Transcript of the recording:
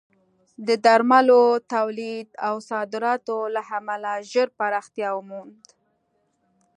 د درملو تولید او صادراتو له امله ژر پراختیا ومونده.